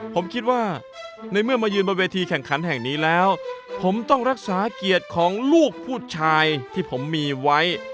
ผมคิดว่าในเมื่อมายืนบนเวทีแข่งขันแห่งนี้แล้วผมต้องรักษาเกียรติของลูกผู้ชายที่ผมมีไว้